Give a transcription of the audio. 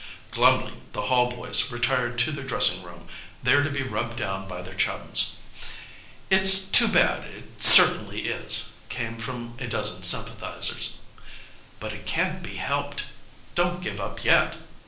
Glumly the Hall boys retired to their dressing room, there to be rubbed down by their chums. "It's too bad, it certainly is," came from a dozen sympathizers. "But it can't be helped. Don't give up yet."